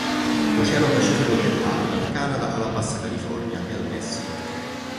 Oceano Pacifico orientale, dal Canada alla Bassa California e al Messico.